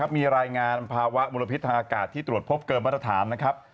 มีรายงานภาวะมลพิษทางอากาศที่ตรวจพบเกินมาตรฐานนะครับ